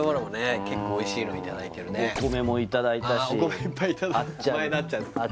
結構おいしいのいただいてるねお米もいただいたしあっ